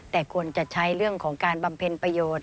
แต่ควรจะใช้เรื่องของการบำเพ็ญประโยชน์